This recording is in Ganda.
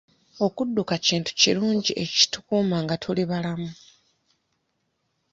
Okudduka kintu kirungi ekitukuuma nga tuli balamu.